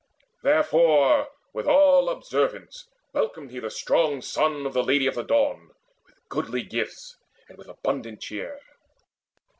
Therefore with all observance welcomed he The strong son of the Lady of the Dawn With goodly gifts and with abundant cheer.